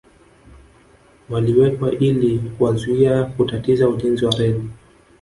Waliwekwa ili kuwazuia kutatiza ujenzi wa reli